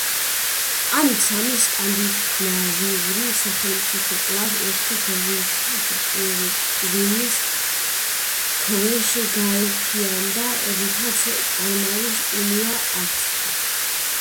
ამით სამი სკანდინავიური სახელმწიფო კვლავ ერთი გვირგვინის ქვეშ გაერთიანდა, რითაც კალმარის უნია აღსდგა.